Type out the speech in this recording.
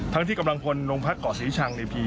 ทั้งที่กำลังพลงพักเกาะศรีชังเนี่ย